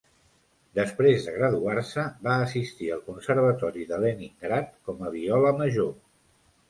Després de graduar-se, va assistir al Conservatori de Leningrad com a viola major.